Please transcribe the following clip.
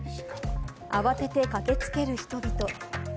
慌てて駆けつける人々。